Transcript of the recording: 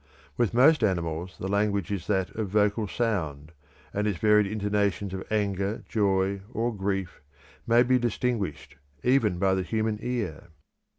With most animals the language is that of vocal sound, and its varied intonations of anger, joy, or grief may be distinguished even by the human ear.